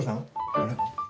あれ。